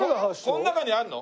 この中にあるの？